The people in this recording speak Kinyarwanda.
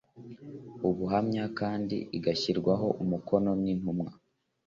ubuhamya kandi igashyirwaho umukono n intumwa